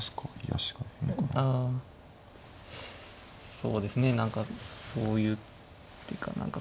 そうですね何かそういう手か何か。